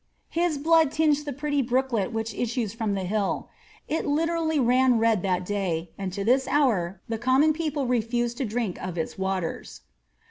' His blood tiuffed the pretty brooklet which issues from the hill ; it literally ran red that day, and to this hour the conunoo people refuse to drink of its waters.